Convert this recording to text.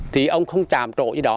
thì ông không chạm trộn như đó